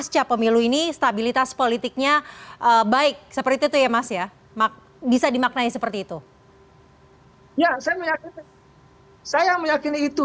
kualitas politiknya baik seperti itu ya mas ya mak bisa dimaknai seperti itu ya saya saya meyakini itu